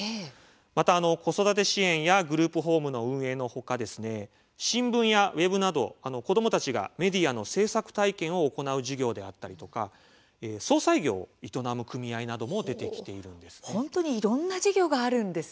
また子育て支援やグループホームの運営の他新聞やウェブなど子どもたちがメディアの制作体験を行う事業であったりとか葬祭業を営む組合なども出てきているんです。